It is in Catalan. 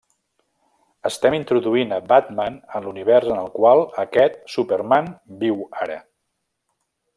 Estem introduint a Batman en l'univers en el qual aquest Superman viu ara.